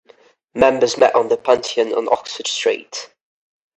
Members met in the Pantheon on Oxford Street.